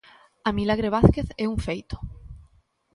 A milagre Vázquez é un feito.